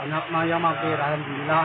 banyak yang mampir alhamdulillah